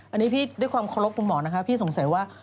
อันนี้พี่ด้วยความเคารพคุณหมอนะคะพี่สงสัยว่า